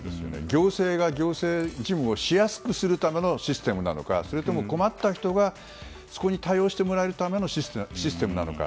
行政が行政事務をしやすくするためのシステムなのか、困った人がそこに対応してもらえるためのシステムなのか。